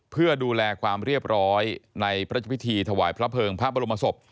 เพื่อดูแลความเรียบร้อยในพระราชพิธีถวายพระเภิงพระบรมศพ